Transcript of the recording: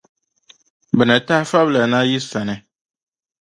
Bɛ ni tahi fabla na yi sani.